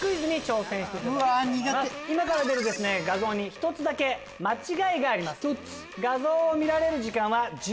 今から出る画像に一つだけ間違いがあります。